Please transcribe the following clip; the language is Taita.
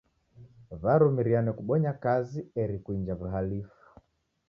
W'arumiriane kubonyanya kazi eri kuinja w'uhalifu.